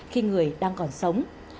khi người đang còn sống